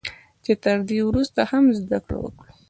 چې تر دې ورسته هم زده کړه وکړو